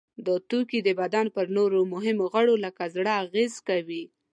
دا توکي د بدن پر نورو مهمو غړو لکه زړه اغیزه کوي.